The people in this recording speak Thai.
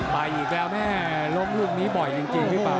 ไปอีกแล้วแม่ล้มลูกนี้บ่อยจริงพี่ป่า